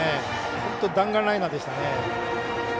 本当に弾丸ライナーでしたね。